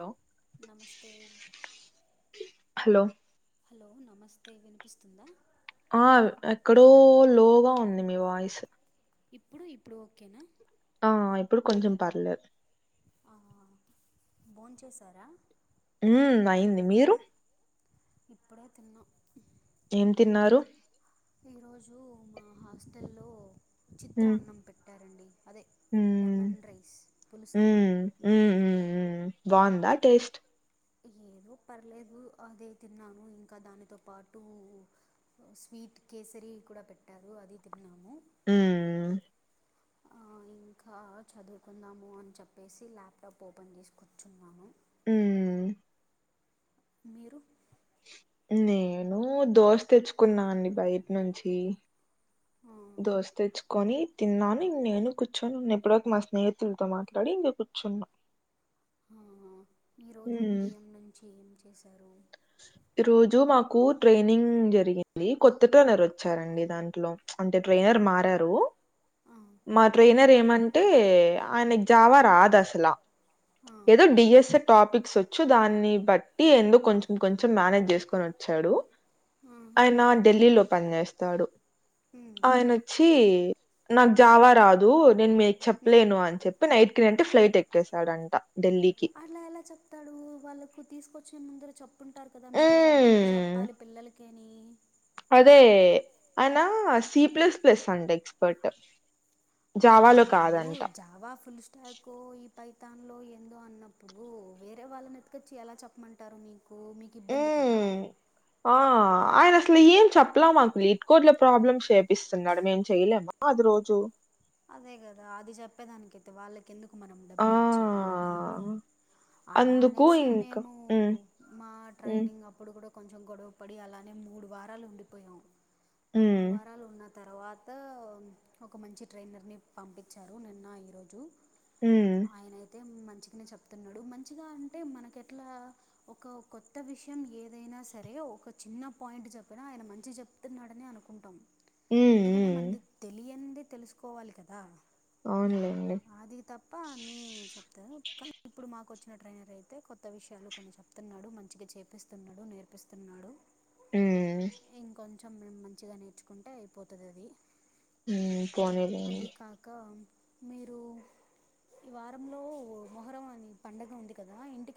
Hello నమస్తే hello hello నమస్తే వినిపిస్తుందా ఆ ఎక్కడో లోగా ఉంది మీ వాయిస్ ఇప్పుడు ఇప్పుడు ఓకేనా ఆ ఇప్పుడు కొంచం పర్లేదు భోన్ చేసారా ఉమ్ అయింది మీరు ఇప్పుడే తిన్నాం ఏం తిన్నారు ఈరోజు మా హాస్టల్లో చిత్ర ఉమ్ అన్నం పెట్టారండి అదే ఉమ్ లెమన్ రైస్ పులుసన్నం బావుంద టేస్ట్ ఏదో పర్లేదు అదే తిన్నాను ఇంకా దానితో పాటు స్వీట్ కేసరీ కూడా పెట్టారు అది తిన్నాము మ్మ్ అవున్ ఇంకా చదువుకుందాము అని చెప్పేసి ల్యాప్టాప్ ఓపెన్ చేసి కొర్చున్నాను మ్మ్ మీరు నేను దోశ తెచ్చుకున్నా అండి బయట్నుంచి ఆ, దోశ తెచ్చుకొని తిన్నాను నేను కూర్చొని ఇప్పటి వరకు మా స్నేహితులతో మాట్లాడి ఇంక చ్చున్నా [inaudible] ఈ రోజు ఉమ్ ఉదయం నుంచి ఏం చేశారు? ఈ రోజు మాకు ట్రైనింగ్ జరిగింది. కొత్త ట్రైనర్ వచ్చారండి దాంట్లో అంటే ట్రైనర్ ఆ, మారారు. ఆ, ఆ, మా ట్రైనర్ ఏమన్ అంటే ఆయనకి జావా రాదు అసలా ఆ, ఏదో డిఎస్ఎబ్ టాపిక్స్ వచ్చు దాన్ని బట్టి ఎందో కొంచెం కొంచెం మేనేజ్ చేసుకొని వచ్చాడు. ఉమ్, ఆయన ఢిల్లీలో పనిచేస్తాడు, ఆయనొచ్చి నాకు ఉమ్, జావా రాదు నేను మీకు ఉమ్. చెప్పలేను అని చెప్పి నైట్ కి నైట్ ఫ్లైట్ ఎక్కేశాడంట. అట్లా ఎలా చెప్తాడు? వాళ్ళకు తీసుకొచ్చిన ముందర చెప్ ప్పుంటారు కదా మీరు ఈ సబ్జెక్ట్ మ్మ్ చెప్పాలి పిల్లల్లకి అదే ఆయనా సీ ప్లస్ ప్లస్ అంట ఎక్స్పర్ట్ మరి జావాలో వీళ్ళు కాదంట జావా ఫుల్ స్టాకో ఈ పైతాన్ లో ఏందో అన్నప్పుడు వేరే వాళ్ళని ఎతుకొచ్చి ఎలా చెప్పమంటారు మీక్? ఊ ఆ ఆయన అసలు ఏం చెప్పలా మాక్ [unintelligible] ట్ కోడ్ల ప్రాబ్లమ్స్ చేపిస్తన్నాడు మేం చెయలేమా అది రోజు? అదే గదా అది చెప్పేదానికైతే వాళ్ళకి ఎందుకు మనం ఆ! డబ్బులు ఇచ్చేది? అలా అందుకు అనేసే ఇంక మేము హ్మ్. మా హ్మ్. ట్రైనింగ్ అప్పుడు గూడా కొంచెం గొడవ పడి అలానే మూడు వారాలు ఉండిపోయాం. మూడు ఊమ్ వారాలు ఉన్న తర్వాత ఒక మంచి ట్రైనర్ని పంపిచ్చారు నిన్న ఈరోజు హ్మ్. ఆయన అయితే మన్ చిగానే చెప్తున్నాడు మంచిగా అంటే మనకి ఎట్లా ఒక కొత్త విషయం ఏదైనా సరే ఓ ఒక చిన్న పాయింట్ చెప్పినా ఆయన మంచిగా చెప్తున్నాడనే అనుకుంటాం. హ్మ్. ఎందుకంటే హ్మ్. మనది తెలియంది తెలుసుకోవాలి కదా! అవునులెండి. అది తప్ప నే చెప్తా [unintelligible] ఇప్పుడు మాకు వచ్చిన ట్రైనర్ అయితే, కొత్త విషయాలు కొన్ని చెప్తున్నాడు మంచిగా చేపిస్తున్నాడు నేర్పిస్తున్నాడు. ఊమ్మ్ కొంచెం మేం మంచిగా నేర్చుకుంటే అయిపోతది అది. హూమ్ అది కాక మీరు ఈ వారంలో మొహర్రం అని పండుగ ఉంది కదా ఇంటిక్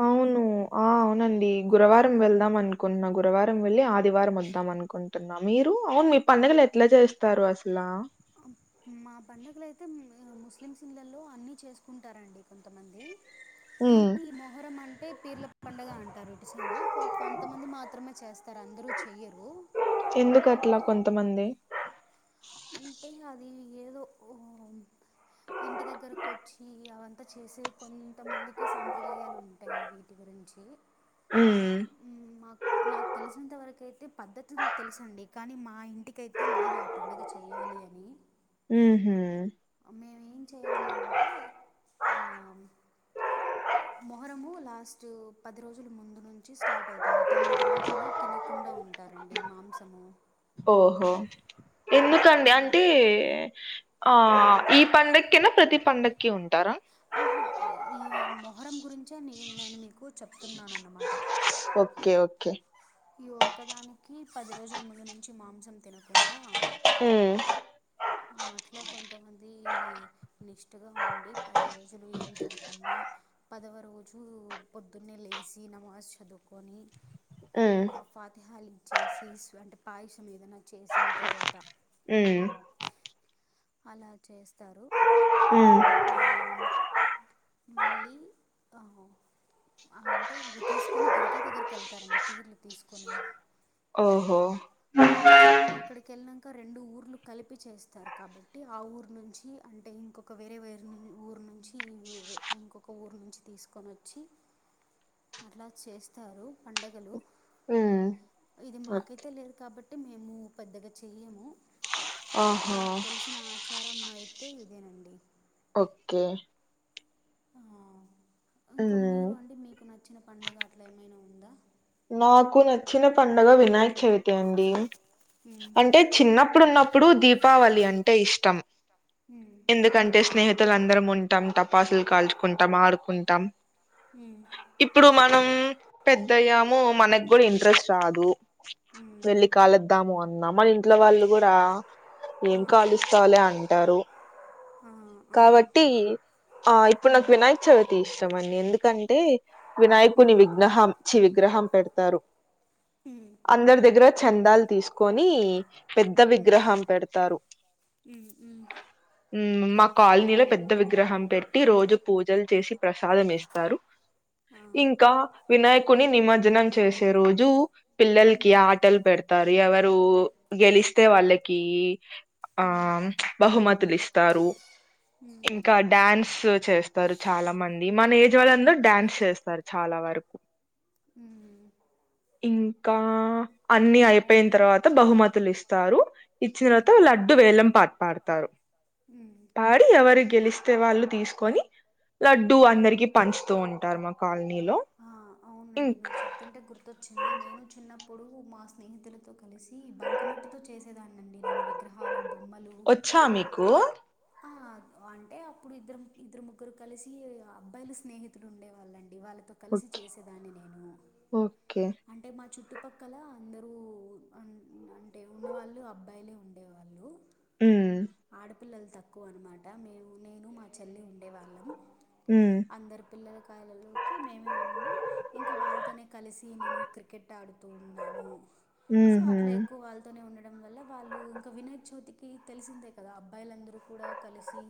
అవును ఆ అవునండి. గురవారం వెళ్దాం అనుకున్నా గురవారం వెళ్ళి ఆదివారం వద్దాం అనుకుంటున్నా మీరు అవును మీ పండగ లె ట్ల చేస్తారు అసలా మా పండగలు అయితే మ్ ముస్లిమ్స్ ఇళ్లల్లో అన్ని చేసుకుంటారండి కొంతమంది. హ్మ్. కానీ మొహర్రం అంటే పీర్ల పండగ అన్ టారు ఇటు సైడు కొ కొంతమంది మాత్రమే చేస్తారు అందరూ చెయ్యరు. తమంది అంటే అది ఏదో ఓ ఇంటి దగ్గరకు వచ్చి అవంతా చేసే కొంతమందికే సాంప్రదాయాలు ఉంటాయి వీటి గురించి ఊమ్ మాకు నాకు తెలిసినంత వరకు అయితే పద్ధతులు తెలుసండి. కానీ మా ఇంటికైతే లేదు ఆ పండగ చెయ్యాలి అని ఊ హూమ్ మేము ఏం చేయాలి అంటే ఆ మొహరము లాస్ట్ పది రోజుల ముందు నుంచి స్టార్ట్ అవుతుంది తొమ్మిది రోజులు తినకుండా ఉండ ఉంటారండి మాంసము ఓహో ఎందుకండి అంటే ఆ ఈ పండక్కెనా ప్రతి పండక్కి ఉంటారా ఆహా ఈ మొహరం గురించే నేను మీకు చెప్తున్నాను అన్నమాట ఓకే ఓకే ఈ ఒక్కదానికి పది రోజుల ముందు నుంచి మాంసం తినకుండా మ్మ్ అట్లా కొంతమంది నిష్టగా ఉండి పది రోజులు ఏం తినకుండా పదవ రోజు పొద్దున్నే లేచి నమాజ్ చదువుకొని ఉమ్ ఆ ఫాతహల్ ఇచ్చేసి అంటే పాయసం ఏదన్నా చేసిన తర్వాత మ్మ్ అలా చేస్తారు ఉమ్. ఆ మళ్ళీ అహో ఆ అంటే అవి తీసుకొని దర్గా దగ్గరికి వెళ్తారండి పీర్లు తీసుకొని ఓహో అక్కడికి వెళ్ళినాంక రెండు ఊర్లు కలిపి చేస్తారు కాబట్టి ఆ ఊరు నుంచి అంటే ఇంకొక వే వేరే వేరు ఊరు నుంచి ఇంకొక ఊరు నుంచి తీసుకొని వచ్చి అట్లా చేస్తారు పండుగలు ఉమ్ ఇది ఓకే మాకైతే లేదు కాబట్టి మేము పెద్దగా చెయ్యము ఆహా నాకు తెలిసిన ఆచారం అయితే ఇదేనండి ఓకే ఆ ఇంకా ఉమ్ మీరు అండి మీకు నచ్చిన పండగ అట్లా ఏమైనా ఉందా నాకు నచ్చిన పండగ వినాయక చవితి అండి అంటే చిన్నప్పుడు ఉన్నప్పుడు దీపావళి అంటే ఇష్టం ఎందుకంటే స్నేహితులు అందరం ఉంటాం టపాసులు కాల్చుకుంటాం ఆడుకుంటాం ఉమ్ ఇప్పుడు మనం పెద్దయ్యాము మనకు కూడా ఇంట్రెస్ట్ రాదు ఉమ్ వెళ్లి కాలుద్దాము అన్నా మన ఇంట్లో వాళ్ళు కూడా ఆ ఏం ఆ కాలుస్తావులే అంటారు ఆ ఉమ్ కాబట్టి ఉమ్ ఆ ఇప్పుడు నాకు వినాయక చవితి ఇష్టం అండి ఎందుకు కంటే వినాయకుని విగ్నహాం చి విగ్రహం పెడతారు మ్మ్ అందరి దగ్గర చందాలు తీసుకొని పెద్ద ఉమ్ విగ్రహం పెడతారు ఉమ్ మ్మ్ మా కాలనీలో పెద్ద విగ్రహం పెట్టి రోజు పూజలు చేసి ప్రసాదం ఇస్తారు ఆ ఇంకా వినాయకుని నిమజ్జనం చేసే రోజు పిల్లలకి ఉమ్ ఆటలు పెడతారు ఎవరు గెలిస్తే వాళ్ళకి ఆ ఉమ్ బహుమతులు ఇస్తు ఇత్తారు ఉమ్ ఇంకా డాన్స్ చేస్తారు చాలా మంది మన ఏజ్ పెద్దవాళ్ళందరు డ్యాన్స్ చేస్తారు చాలా వరకు అవున ఇంకా అన్ని అయిపోయిన అవును తర్వాత బహుమతులు ఇస్తారు ఇచ్చిన ఉమ్ తర్వాత లడ్డు వేలం పాట పాడతారు ఉమ్ పాడి ఎవరు గెలిస్తే వాళ్ళు తీసుకొని లడ్డూ ఆ అందరికి పంచుతూ ఉంటారు మా కాలనీలో ఆ అవునండి మీరు ఇంక్ చెప్తుంటే గుర్తొచ్చింది నేను చిన్నప్పుడు మా స్నేహితులతో కలిసి బంకమట్టితో చేసేదాన్నిండి నేను విగ్రహాలు బొమ్మలు వచ్చా మీకు ఆ అంటే అప్పుడు ఇద్దరు ఇద్దరు ముగ్గురు కలిసి అబ్బాయిలు స్నేహితుడు ఉండేవాళ్ళం డి వాళ్ళతో కలిసి ఓకే చేసేదాన్ని నేను ఓకే అంటే మా చుట్ చుట్టుపక్కల అందరూ అన్ అంటే ఉన్నవాళ్ళు అబ్బాయిలే ఉండేవాళ్ళు ఉ పిల్లలు తక్కువ అనమాట మీము నేను మా చెల్లి ఉండేవాళ్ళం ఉ అందరు పిల్లలకాయలలోకి మేమే ఉండి ఇంకా వాళ్ళతోనే కలిసి నేను క్రికెట్ టడుతూ ఉన్నాము సో ఉహు అట్లా ఎక్కువ వాళ్ళతోనే ఉండ డం వల్ల వాళ్ళు ఇంకా వినాయక చవితికి తెలిసిందే కదా అబ్బాయిలందరూ కూడా కలిసి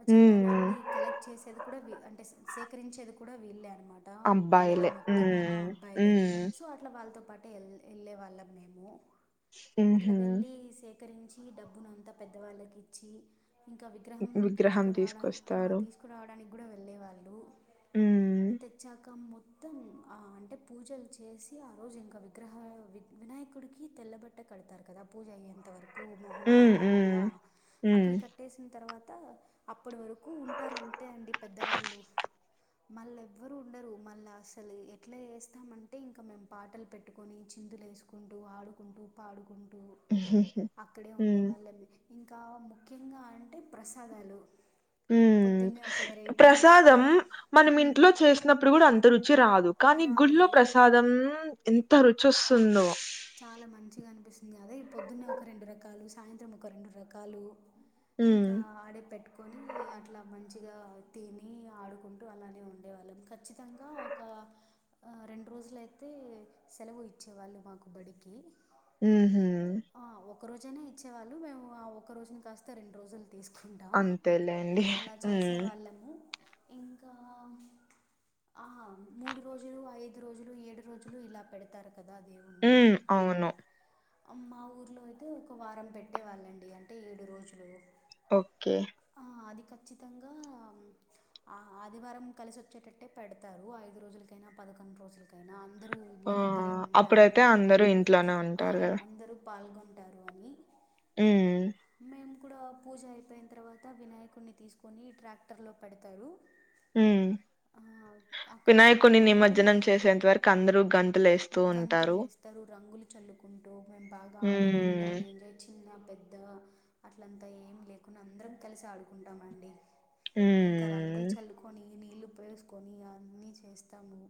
ఆ చందాలు ఉమ్ అన్నిీ కలెక్ట్ చేసేది కూడా అంటే సేకరించేది కూడా వీళ్ళలే అనమాట పల్లెలో అబ్బాయిలే మొత్తం ఆ ఉమ్ అబ్బాయిలే ఉమ్ సో అట్లా వాళ్ళతో పట్ టే వెళ్ ఎల్ వాళ్ళము మేము ఉహు అట్లవెల్లి సే కరించి డబ్బును అంతా పెద్దవాళ్ళకి ఇచ్చి ఇంకా విగ్రహం విగ్రహం తీసుకురావ తీసుకురావడం ఆ తీసుకొస్తారు తీసుకురావడానికి ఉమ్ తెచ్చాకం మొత్తం ఆ అంటే పూజలు చేసి ఆ రోజు ఇంకా విగ్రహ వినాయకుడికి తెల్లబట్ట కడతారు కదా పూజ అయ్యేంత వరకు మొహం ఉమ్ ఉమ్ కనపడకుండా ఉమ్ అక్కడ కట్టేసిన తర్వ త అప్పటి వరకు ఉంటారంతే అండి పెద్దవాళ్ళు మళ్ళ ఎవ్వరు ఉండరు మళ్ళ అసలు ఎట్లా చేస్తామంటే ఇంకా మేము పాటలు పెట్టుకొని ఛి చిందులు వేసుకుంటూ ఆడుకుంటూ పాడుకుంటూ టు ఉహుహు అక్కడే ఉండే ఉమ్ వాళ్ళమే ఇంకా మా ముఖ్యంగా అంటే ప్రసాదాలు ఉ పొద్దున్నే ఒక వెరైటీ ప్రసాదం ప మనం ఇంట్లో చేసినప్పుడు కూడా అం రుచి రాదు కానీ గుళ్లో రాదు ప్రసాదం ఎంత రుచి వస్తుందో పొద్దున్న ఒక రెండు రకాలు సాయంత్రం ఒక రెండు రకాలు ఇంకా ఉమ్ ఆడే పెట్ కొని అట్లా మంచిగా తిని ఆడుకుంటూ అలానే ఉండేవాళ్ళం ఖచ్చితంగా ఒక బా ఆ రెండు రోజులుయితే సెలవు ఇచ్చేవాళ్ళు మాకు బడికి ఊహు ఆ, ఒక రోజైనా ఇచ్చేవాళ్ళు మేము ఆ ఒకక్క రోజుని కాస్త రెండు రోజులు తీసుకుంటాం అంతేలేండి అలా చేసే హ్మ్ వాళ్ళము ఇంకా ఆ మూడు రోజులు ఐదు రోజులు ఏడు రోజులు ఇలా పెడతారు కదా అది ఉ అవును ఆ మా ఊరిలో అయితే ఒక వారం పెట్టేవాళ్ళండి అంటే ఏడు రోజులు ఓకే ఆ, అది ఖచ్చితంగా ఆ ఆదివారం కలిసి వచ్చేటట్టే పెడతారు ఐదు రోజులకైనా ప కంట్రోస్లు కైనా ఆ అప్పుడైతే అందరు ఇంట్లోనే ఆ, ఉంటారు కదా అందరూ పాల్గొంటారు అని హ్మ్. మేము కూడా పూజ అయిపోయిన తర్వాత వినాయకుడిని తీసుకొని ట్రాక్టర్ లో పెడతారు ఉ ఆ, అక్కడ వినాయకుని పెట్టినప్పటి నుండి నిమజ్జనం చేసేంత వరకు అందరూ గం గంతులు వేస్తారు రంగులు చల్లుకుంటూ మేము బాగా హ్మ్. ఆడుకుంటాము ఎంజాయ్ చిన్న పెద్ద ద అట్లంతా ఏం లేకుడా అందరం కలిసి ఆడుకుంటామండి ఇంకా రంగులు హ్మ్. చల్లుకొని నీళ్ళు పోసుకొని అన్ని చేస్తాము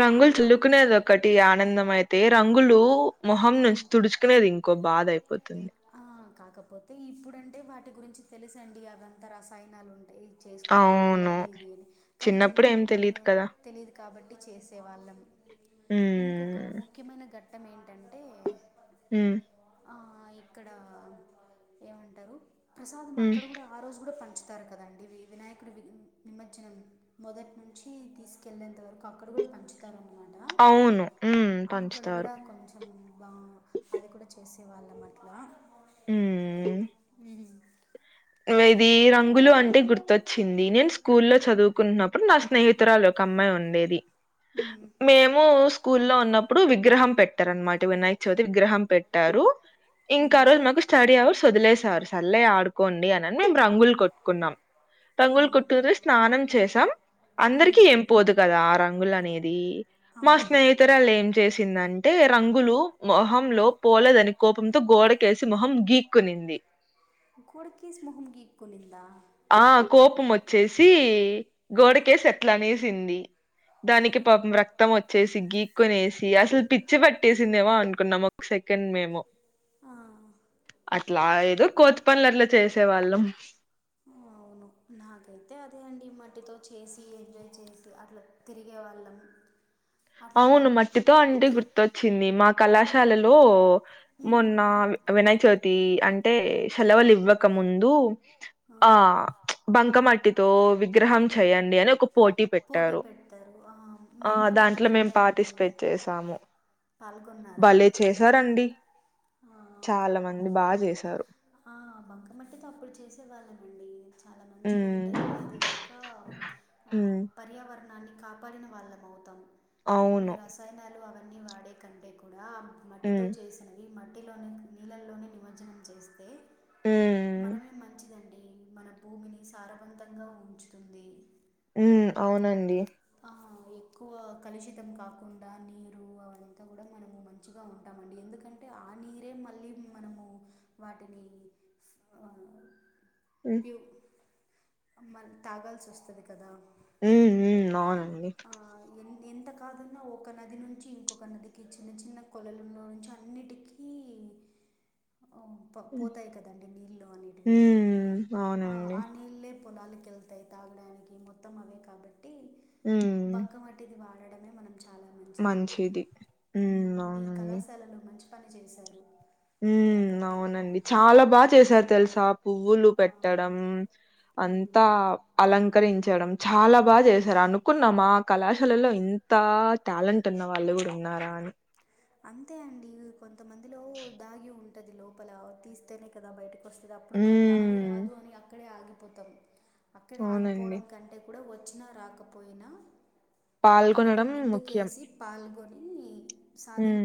రంగులు ఆ, చుల్లుకునేదొకటి ఆనందం అయితే రంగులు మొహం నుంచి ఉమ్, తుడుచుకునేది ఇంకో బాధ అయిపోతుంది ఆ, కాకపోతే ఇప్పుడంటే వాటి గురించి తెలుసండి అదంతా రసాయనాలు ఉంటాయి చేసుకోకూడదు అవును. అది ఇది అని కానీ ఏం చిన్నప్పుడు తెలీదు మనకు కదా! తెలియదు కాబట్టి చేసేవాళ్ళం ఇంకొక హ్మ్. ముఖ్యమైన ఘట్ మ్ క్కడ ఏమంటారు ప్రసాదం హ్మ్. అక్కడ కూడా ఆ రోజు కూడా పంచ తారు కదండి వినాయకుడు నిమజ్జనం మొదటి నుంచి తీసుకెళ్ళేంత వరకు అక్కడ కూడా పంచుతారన్నమా అవును. హ్మ్. అక్కడ పంచుతారు. కూడా కొంచెం బా అది కూడా చేస్ హ్మ్. మ్ ఇది రంగులు అంటే గుర్తొచ్చింది నేను స్కూల్లో చదువుకున్నప్పుడు నా స్నేహితు త్తరాలు ఒక అమ్మాయి ఉండేది మ్మ్. మేము స్కూల్లో ఉన్నప్పుడు విగ్రహం పెట్టారు అనమాట వినాయక చవితి విగ్రహం పెట్టారు ఇంకా ఆ రోజు మాకు స్టడీ అవర్స్ వదిలేసారు సల్లె ఆడుకోండి అనని మేము రంగులు కొట్టుకున్నాం రంగులు మ్మ్. కొట్టురు స్నానం చేసాం అందరికిీ మ్మ్. ఏం పోదు కదా ఆర రంగులనేది మా అవును స్నేహితురాళ్లు ఏం చేస్ చ్చిందంటే రంగులు మొహంలో పోలేదని కోపంతో గోడకేసి మొహం గీక్కునింది గోడకేసి మొహం గీక్కునిందా పం వచ్చేసి ఆ, గోడకేస్ అట్లా అనేసింది ఆ, దానికి పాపం రక్తం వచ్చేసి గీక్ కునేసి అసలు పిచ్చి పట్టేసిందేమో అనుకున్నాం ఒక సెకండ్ మేము ఆ అట్లా ఏదో కోతిపనులు అట్లా చేసే వాళ్ళం అవును నాకైతే అదే అండి మట్టితో చేసి ఎంజాయ్ చేసి అట్లా తిరిగే వాళ్ళం అవును మట్టితో అంటే గుర్తొచ్చింది మా కళాశాలలో మొన్న వినయక చవితి అంటే సెలవులు ఇవ్వ క ముందు ఆ బంకమట్టితో విగ్రహం చేయండి అని ఒక పోటీ పెడ్తారు ఆ మేము కూడా ఇక్క ఇట్లా మేము పాటీస్పేట్ చేసాము పాల్గొన్నారా భలే చేశారండి చాలా మంది బా చేస్ ఆ బంక మట్టితో అప్పుడు చేసేవాళ్ళమండి చాలా మంచి ఉమ్ ఉంటయ్ అదిగాకా అ ఉమ్ పర్యావరణాన్నీ కాపాడిన వాళ్ళమవుతాం ఈ అవును రసాయనాలు అవన్నీ వాడే కంటే కూ లా మట్టితో ఉమ్ చేసినవి మట్టిలో నీళ్ళల్లోనే నిమజ్జనం చేస్తే ఉమ్ మనమే మంచిదండీ మన భూమిని సారవంతంగా ఉంచుతుంది మ్ అవునండీ ఆ ఎక్కువ కలుషితం కాకుండా నీరు అవంతా కూడా మనము మంచిగా ఉంటామండీ ఎందుకంటే ఆ నీరే మళ్ళీ మనము వాటినీ ఆ ఉమ్ ప్యూ మన్ తాగాల్సొస్తది కదా మ్ మ్ అవునండీ ఆ, ఎన్ ఎంత కాదన్నా ఒక నది నుంచి ఇంకొక నదికి చిన్న చిన్న కొలలులో నుంచి అన్నిటికీ ఓ పో ఉమ్ పోతాయి కదండీ నీళ్ళు అనేటివి ఉమ్, ఆ అవునండి ఆ నీళ్లే పొలాలకు ఎళ్తె తాగడానికి మొత్తం అవే కాబట్టి ఉమ్ బంక మట్టిది వాడ్ మంచిది ఉ మ్, మీ అవునండీ కళాశాలలో మంచి పని చేేసారు ఉ అవునండి చాలా బాగా చేసారు తెలుసా పువ్వులు ఆ, పెట్టడం అంతా మ్. అలంకరించ్ చేయడం చాలా బాగా చేసారు అనుకున్నా ఆ కళాశాలలో ఇంతా టాలెంట్ ఉన్న వాళ్ళు గూడా ఉన్నారు తరాణి అంతే అండి ఇ కొం అది లోపలా తీస్తేనే కదా బయటకి వస్తది అప్పుడు మనం రాదు ఉమ్ రాదు అని అక్కడే ఆగి అక్కడ అవునండి ఆగిపోవడం కంటే గూడా వచ్చినా రాకపోయినా ఒక అడుగు పాల్గొనడం ముఖ్యం. ముందుకేసి పాల్గొనీ హ్మ్.